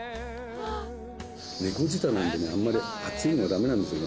猫舌なんであんまり熱いのだめなんですよね。